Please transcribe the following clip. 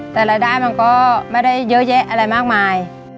แต่รายได้มันก็ไม่ได้เยอะแยะอะไรมากมาย